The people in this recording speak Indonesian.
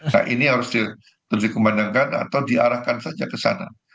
nah ini harus terus dikembangkan atau diarahkan saja ke sana